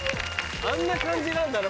あんな感じなんだね